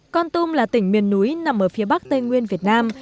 con tum là tỉnh miền núi nằm ở phía bắc tây nguyên việt nam